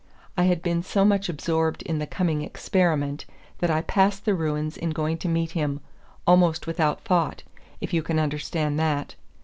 I had been so much absorbed in the coming experiment that I passed the ruins in going to meet him, almost without thought, if you can understand that.